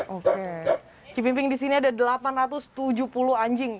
anjing anjing yang terlalu besar seperti tujuh ratus tujuh puluh ekor anjing